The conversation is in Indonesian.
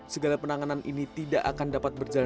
segala penanganan ini tidak akan dapat berjalan